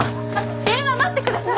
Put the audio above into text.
電話待ってください！